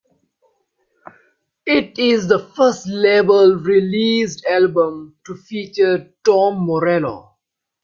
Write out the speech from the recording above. It is the first label-released album to feature Tom Morello.